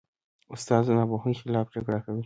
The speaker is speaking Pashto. استاد د ناپوهۍ خلاف جګړه کوي.